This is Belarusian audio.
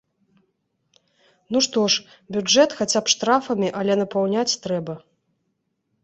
Ну што ж, бюджэт, хаця б штрафамі, але напаўняць трэба.